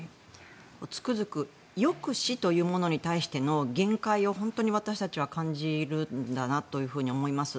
つくづく抑止というものに対しての限界を本当に私たちは感じるんだなと思います。